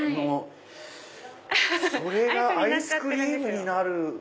それがアイスクリームになる。